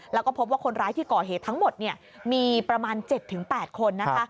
แล้วก็พบว่าคนร้ายที่ก่อเหตุทั้งหมดมีประมาณ๗๘คนนะคะ